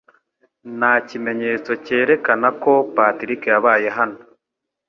Nta kimenyetso cyerekana ko Patrick yabaye hano.